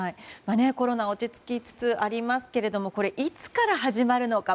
コロナ落ち着きつつありますがいつから始まるのか